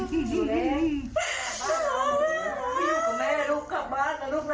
อยู่แล้วไปอยู่กับแม่ลูกกลับบ้านล่ะลูกน้า